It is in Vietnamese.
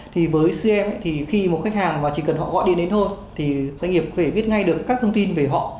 thì với cim thì khi một khách hàng chỉ cần họ gọi điện đến thôi thì doanh nghiệp có thể viết ngay được các thông tin về họ